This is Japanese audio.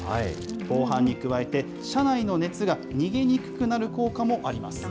防犯に加えて、車内の熱が逃げにくくなる効果もあります。